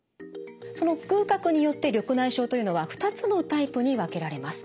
その隅角によって緑内障というのは２つのタイプに分けられます。